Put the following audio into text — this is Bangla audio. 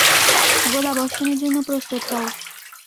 গোলাবর্ষণের জন্য প্রস্তুত হও!